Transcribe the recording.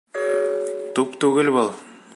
Туп түгел был.